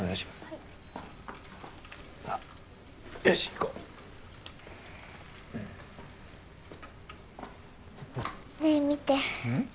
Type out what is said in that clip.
はいさっよしいこうはいねえ見てうん？